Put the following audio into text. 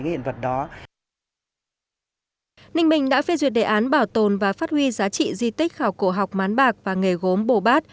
ninh bình đã phê duyệt đề án bảo tồn và phát huy giá trị di tích khảo cổ học mán bạc và nghề gốm bồ bát